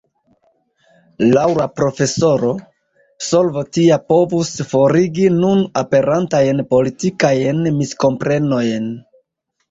Laŭ la profesoro, solvo tia povus forigi nun aperantajn politikajn miskomprenojn.